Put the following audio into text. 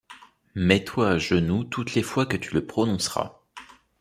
Mets-toi à genoux toutes les fois que tu le prononceras.